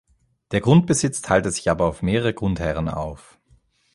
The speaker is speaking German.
Der Grundbesitz teilte sich aber auf mehrere Grundherren auf.